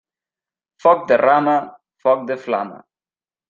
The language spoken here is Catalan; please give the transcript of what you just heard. Foc de rama, foc de flama.